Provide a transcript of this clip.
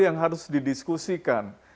yang harus didiskusikan